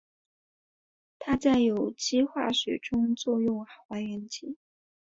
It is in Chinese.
它在有机化学中用作还原剂。